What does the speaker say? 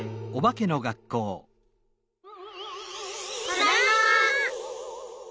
ただいま。